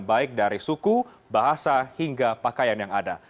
baik dari suku bahasa hingga pakaian yang ada